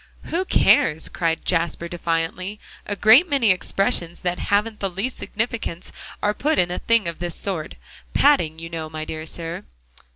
"Who cares?" cried Jasper defiantly. "A great many expressions that haven't the least significance are put in a thing of this sort. Padding, you know, my dear sir."